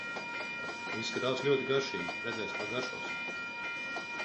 Izskatās ļoti garšīgi, redzēs kā garšos!